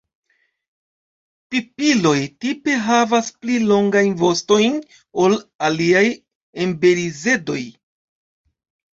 Pipiloj tipe havas pli longajn vostojn ol aliaj emberizedoj.